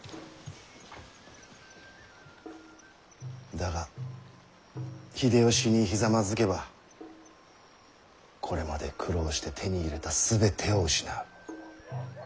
だが秀吉にひざまずけばこれまで苦労して手に入れた全てを失う。